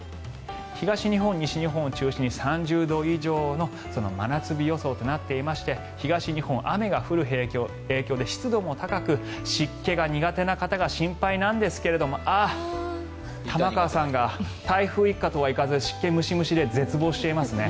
東日本、西日本を中心に３０度以上の真夏日予想となっていまして東日本雨が降る影響で湿度も高く湿気が苦手な方が心配なんですがあっ、玉川さんが台風一過とはいかず湿気ムシムシで絶望していますね。